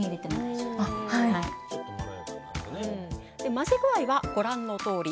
混ぜ具合はご覧のとおり。